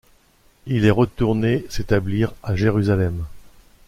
Il est retourné s'établir à Jerusalem.